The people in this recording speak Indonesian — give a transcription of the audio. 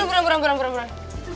buruan buruan buruan buruan